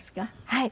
はい。